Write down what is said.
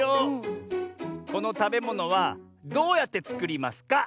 このたべものはどうやってつくりますか？